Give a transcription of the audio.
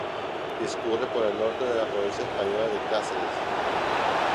Discurre por el norte de la provincia española de Cáceres.